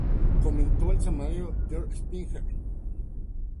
Comentó el semanario Der Spiegel.